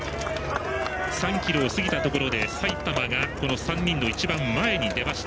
３ｋｍを過ぎたところで埼玉が３人の一番前に出ました。